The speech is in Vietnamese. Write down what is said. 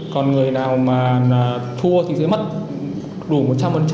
còn người nào mà thua thì sẽ mất đủ một trăm linh cái số tiền giao dịch